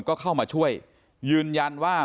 ก็เข้ามาช่วยยืนยันว่า